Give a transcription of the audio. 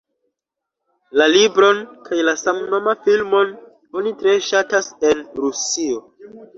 La libron kaj la samnoman filmon oni tre ŝatas en Rusio.